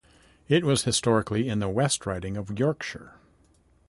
It was historically in the West Riding of Yorkshire.